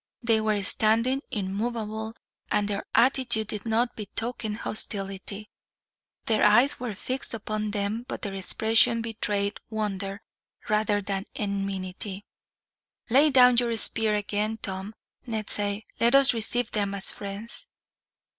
They were standing immovable, and their attitude did not betoken hostility. Their eyes were fixed upon them, but their expression betrayed wonder, rather than enmity. "Lay down your spear again, Tom," Ned said. "Let us receive them as friends."